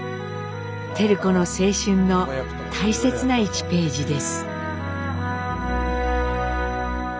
照子の青春の大切な１ページです。